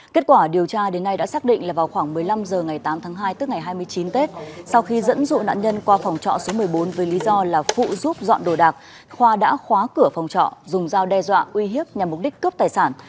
kết quả điều tra đến nay đã xác định là vào khoảng một mươi năm h ngày tám tháng hai tức ngày hai mươi chín tết sau khi dẫn dụ nạn nhân qua phòng trọ số một mươi bốn với lý do là phụ giúp dọn đồ đạc khoa đã khóa cửa phòng trọ dùng dao đe dọa uy hiếp nhằm mục đích cướp tài sản